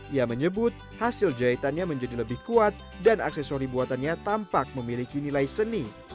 ia menyebut hasil jahitannya menjadi lebih kuat dan aksesori buatannya tampak memiliki nilai seni